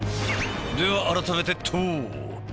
では改めて問おう！